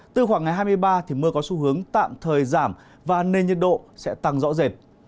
từ khoảng ngày hai mươi ba thì mưa có xu hướng tạm thời giảm và nên nhiệt độ sẽ tăng rõ rệt